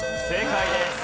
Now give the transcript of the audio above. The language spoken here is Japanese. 正解です。